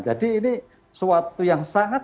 jadi ini suatu yang sangat semangat